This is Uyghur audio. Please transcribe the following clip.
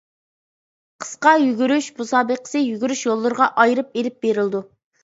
قىسقا يۈگۈرۈش مۇسابىقىسى يۈگۈرۈش يوللىرىغا ئايرىپ ئېلىپ بېرىلىدۇ.